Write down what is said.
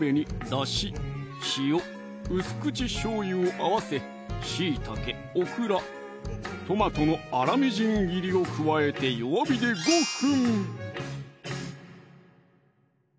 だし・塩・薄口しょうゆを合わせしいたけ・オクラ・トマトの粗みじん切りを加えて弱火で５分！